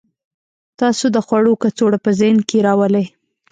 تاسو د خوړو کڅوړه په ذهن کې راولئ